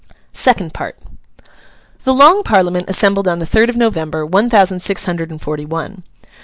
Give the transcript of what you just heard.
SECOND PART The Long Parliament assembled on the third of November, one thousand six hundred and forty one.